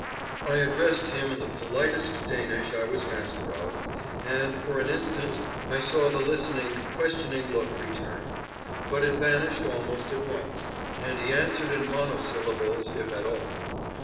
I addressed him in the politest Danish I was master of, and for an instant I saw the listening, questioning look return; but it vanished almost at once, and he answered in monosyllables, if at all.